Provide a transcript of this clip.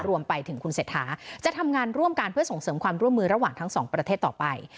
รวมไปถึงคุณเศรษฐาจะทำงานร่วมกันเพื่อส่งเสริมความร่วมมือระหว่างทั้งสองประเทศต่อไป